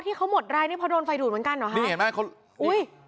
ที่เขาหมดรายนี่เพราะโดนไฟดูดเหมือนกันเหรอฮะนี่เห็นไหมเขาอุ้ย